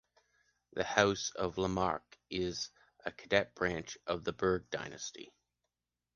The House of La Marck is a cadet branch of the Berg dynasty.